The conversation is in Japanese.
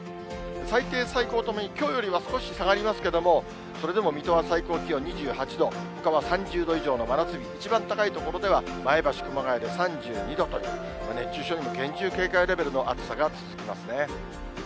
最低、最高ともに、きょうよりは少し下がりますけれども、それでも水戸は最高気温２８度、ほかは３０度以上の真夏日、一番高い所では前橋、熊谷で３２度という、熱中症にも厳重警戒レベルの暑さが続きますね。